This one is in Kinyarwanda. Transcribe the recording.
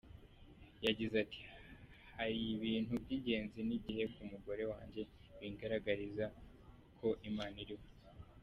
Yagize ati "Hari ibintu by’ingenzi nigiye ku mugore wanjye bingaragariza ko Imana iriho.